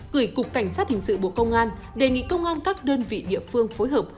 gửi cục cảnh sát hình sự bộ công an đề nghị công an các đơn vị địa phương phối hợp